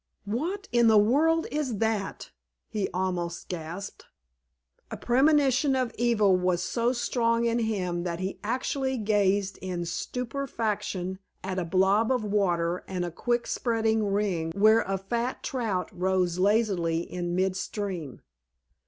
"What in the world is that?" he almost gasped; a premonition of evil was so strong in him that he actually gazed in stupefaction at a blob of water and a quick spreading ring where a fat trout rose lazily in midstream.